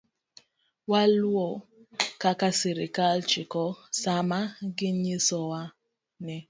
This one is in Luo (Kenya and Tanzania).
Waluw kaka sirkal chiko sama ginyisowa ni